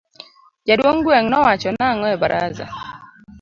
Jaduong gweng no wacho nango e barasa.